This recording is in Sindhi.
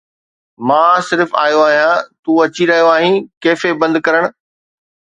مان صرف آيو آهيان، تون اچي رهيو آهين ڪيفي بند ڪرڻ.